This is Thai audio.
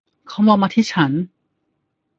เขามองมาที่ฉัน